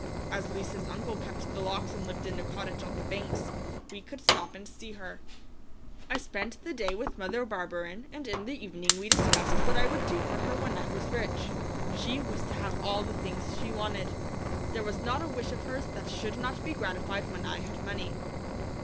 As Lise's uncle kept the locks and lived in a cottage on the banks, we could stop and see her. I spent that day with Mother Barberin, and in the evening we discussed what I would do for her when I was rich. She was to have all the things she wanted. There was not a wish of hers that should not be gratified when I had money.